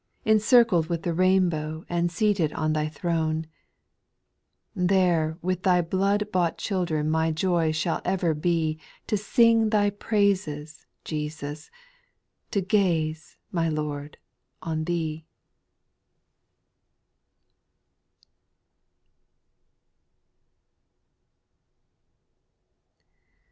Encircled with the rainbow and seated on Thy throne ; There with Thy blood bought children my joy shall ever be To sing Thy praises, Jesus I — to gaze, my Lord, on Thee.